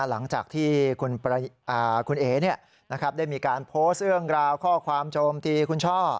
หลังจากที่คุณเอ๋ได้มีการโพสต์เรื่องราวข้อความโจมตีคุณช่อ